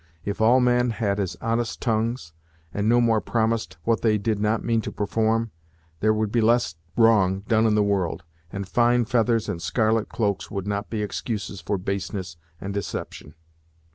If all men had as honest tongues, and no more promised what they did not mean to perform, there would be less wrong done in the world, and fine feathers and scarlet cloaks would not be excuses for baseness and deception."